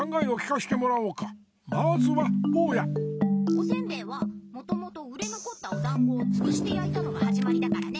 おせんべいはもともと売れのこったおだんごをつぶしてやいたのがはじまりだからね。